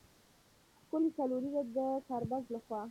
ښکې څلوريزه د ګربز له خوا